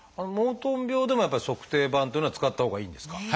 モートン病でもやっぱり足底板っていうのは使ったほうがいいんですか？